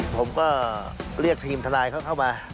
ผมก็เรียกทีมทนายเขาเข้ามา